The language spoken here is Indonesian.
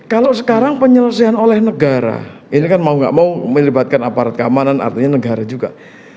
kalau sekarang penyelesaian oleh negara ini kan mau gak mau melibatkan aparat keamanan artinya negara juga